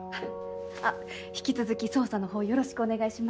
引き続き捜査の方よろしくお願いします。